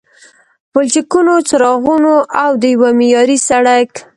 پلچکونو، څراغونو او د یوه معیاري سړک